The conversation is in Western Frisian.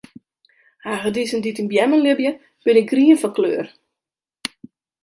Hagedissen dy't yn beammen libje, binne grien fan kleur.